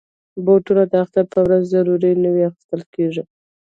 بوټونه د اختر په ورځ ضرور نوي اخیستل کېږي.